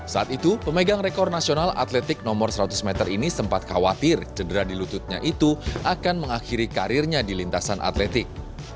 saat itu pemegang rekor nasional atletik nomor seratus meter ini sempat khawatir cedera di lututnya itu akan mengakhiri karirnya di lintasan atletik